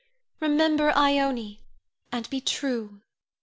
Remember Ione, and be true.